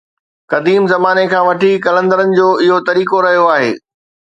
قديم زماني کان وٺي قلندرن جو اهو طريقو رهيو آهي